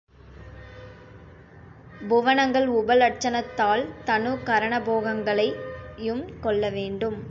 புவனங்கள் உபலட்சணத்தால் தனு கரண போகங்களையும் கொள்ள வேண்டும்.